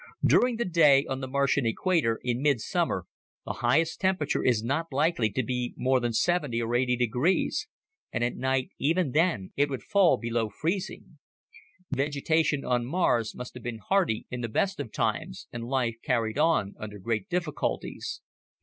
During the day, on the Martian equator in midsummer, the highest temperature is not likely to be more than 70° or 80°; and at night, even then, it would fall below freezing. Vegetation on Mars must have been hardy in the best of times, and life carried on under great difficulties.